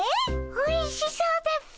おいしそうだっピ。